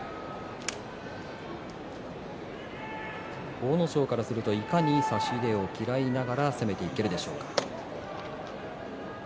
阿武咲からすると、いかに差し手を嫌いながら攻めていけるでしょうか。